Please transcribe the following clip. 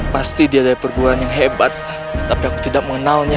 pasti dia dari perguruan yang hebat tapi aku tidak mengenalnya